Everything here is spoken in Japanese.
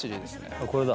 あっこれだ。